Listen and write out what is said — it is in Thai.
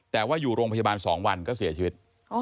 แต่ว่าอยู่โรงพยาบาล๒วันก็เสียชีวิต